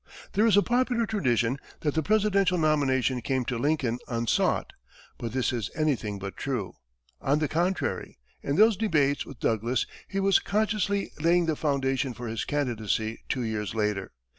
There is a popular tradition that the presidential nomination came to Lincoln unsought; but this is anything but true. On the contrary, in those debates with Douglas, he was consciously laying the foundation for his candidacy two years later.